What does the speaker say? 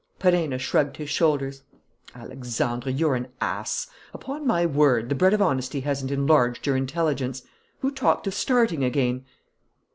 Perenna shrugged his shoulders: "Alexandre, you're an ass. Upon my word, the bread of honesty hasn't enlarged your intelligence. Who talked of starting again?"